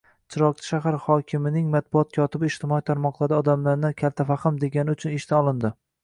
Chirchiq shahar hokimining matbuot kotibi ijtimoiy tarmoqlarda odamlarni kaltafahm degani uchun ishdan olindi